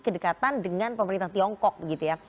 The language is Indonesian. kedekatan dengan pemerintah tiongkok gitu ya